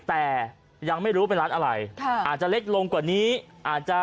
แต่ยังไม่รู้เป็นร้านอะไรอาจจะเล็กลงกว่านี้อาจจะ